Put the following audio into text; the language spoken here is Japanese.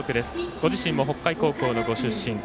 ご自身も北海高校のご出身。